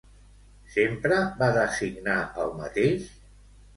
Sempre va designar el mateix?